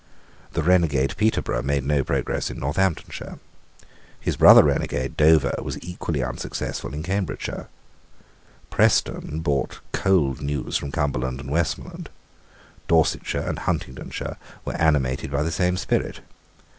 The renegade Peterborough made no progress in Northamptonshire. His brother renegade Dover was equally unsuccessful in Cambridgeshire. Preston brought cold news from Cumberland and Westmoreland. Dorsetshire and Huntingdonshire were animated by the same spirit.